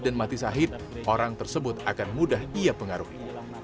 dan mati sahid orang tersebut akan mudah ia pengaruhi